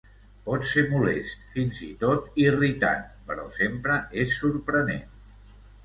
Pot ser molest, fins i tot irritant, però sempre és sorprenent.